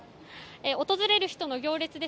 訪れる人の行列